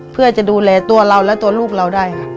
เพื่อจะดูแลตัวเราและตัวลูกเราได้ค่ะ